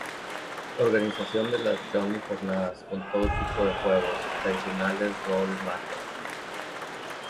Organización de las Johnny Jornadas, con todo tipo de juegos: tradicionales, rol, magia...